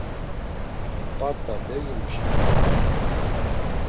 P̌art̆a bergimuşi goruy.